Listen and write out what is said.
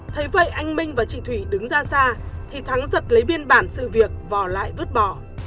thấy vậy anh minh và chị thủy đứng ra xa thì thắng giật lấy biên bản sự việc vò lại vứt bỏ